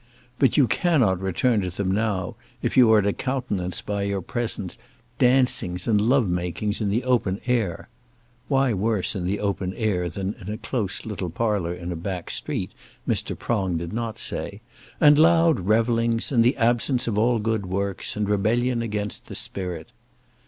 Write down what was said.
But you cannot return to them now, if you are to countenance by your presence dancings and love makings in the open air," why worse in the open air than in a close little parlour in a back street, Mr. Prong did not say, "and loud revellings, and the absence of all good works, and rebellion against the Spirit."